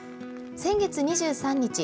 先月２３日。